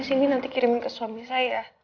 sini nanti kirimin ke suami saya